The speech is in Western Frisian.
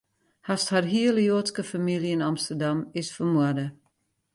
Hast har hiele Joadske famylje yn Amsterdam, is fermoarde.